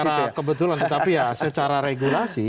kita mau bicara kebetulan tetapi ya secara regulasi